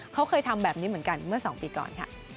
เขาเคยทำแบบนี้เหมือนกันเมื่อ๒ปีก่อนค่ะ